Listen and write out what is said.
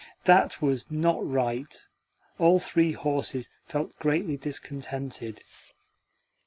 That was not right. All three horses felt greatly discontented.